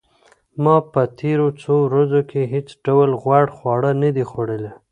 ما په تېرو څو ورځو کې هیڅ ډول غوړ خواړه نه دي خوړلي.